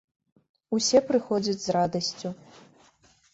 Усе прыходзяць з радасцю.